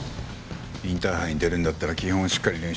インターハイに出るんだったら基本をしっかり練習しないと。